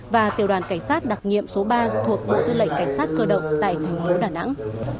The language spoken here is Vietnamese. và tiểu đoàn cảnh sát đặc nghiệm số ba thuộc bộ tư lệnh cảnh sát cơ động tại thành phố đà nẵng